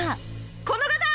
この方。